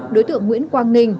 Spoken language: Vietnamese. đối tượng nguyễn quang ninh